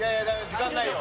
時間ないよ。